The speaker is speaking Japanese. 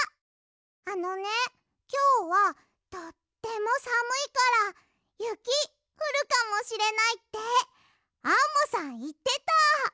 あのねきょうはとってもさむいからゆきふるかもしれないってアンモさんいってた！